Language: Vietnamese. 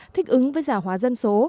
thích ứng với giả hóa dân số